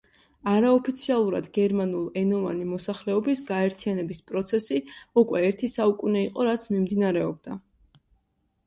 არაოფიციალურად გერმანულ ენოვანი მოსახლეობის გაერთიანების პროცესი უკვე ერთი საუკუნე იყო რაც მიმდინარეობდა.